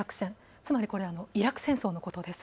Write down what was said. つまりイラク戦争のことです。